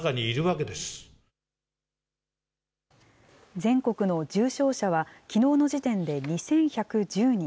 全国の重症者は、きのうの時点で２１１０人。